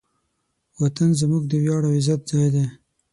وطن زموږ د ویاړ او عزت ځای دی.